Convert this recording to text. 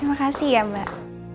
terima kasih ya mbak